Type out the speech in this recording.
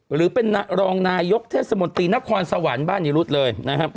หรือเป็นรองนายกเทศมนตรีนครสวรรค์บ้านนิรุธเลยนะครับ